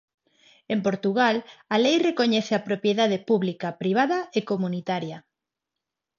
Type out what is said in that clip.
En Portugal a lei recoñece a propiedade pública, privada e comunitaria.